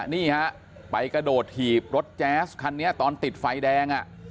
นี่ฮะไปกระโดดถีบรถแจ๊สคันนี้ตอนติดไฟแดง